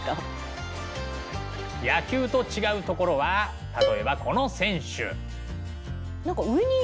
野球と違うところは例えばこの選手。